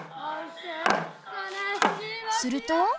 すると。